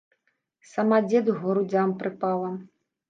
Сама дзеду к грудзям прыпала.